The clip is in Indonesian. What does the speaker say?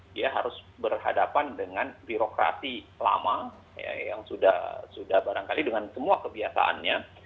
dia harus berhadapan dengan birokrasi lama yang sudah barangkali dengan semua kebiasaannya